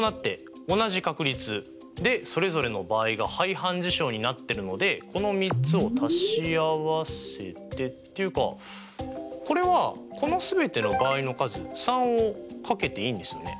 でそれぞれの場合が排反事象になってるのでこの３つを足し合わせてっていうかこれはこの全ての場合の数３を掛けていいんですよね？